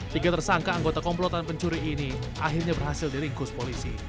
tiga tersangka anggota komplotan pencuri ini akhirnya berhasil diringkus polisi